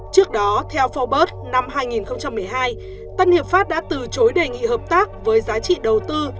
trước đó theo forbes năm hai nghìn một mươi hai tân hiệp pháp đã từ chối đề nghị hợp tác với giá trị đầu tư